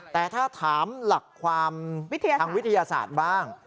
แต่ถ้าถามหลักความทางวิทยาศาสตร์บ้าง